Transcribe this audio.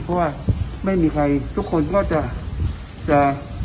เพราะว่าไม่มีใครทุกคนก็จะจะ